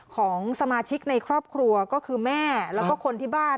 ของสมาชิกในครอบครัวก็คือแม่แล้วก็คนที่บ้าน